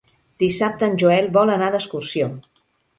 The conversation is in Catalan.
Dissabte en Joel vol anar d'excursió.